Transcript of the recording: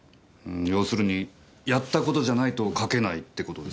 要するにやった事じゃないと書けないって事ですか？